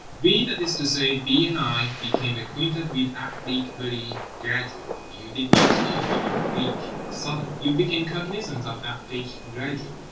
We, that is to say, B. and I, became acquainted with Afrique very gradually. You did not know Afrique suddenly. You became cognisant of Afrique gradually.